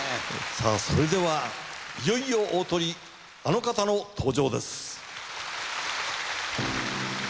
さぁそれではいよいよ大トリあの方の登場です。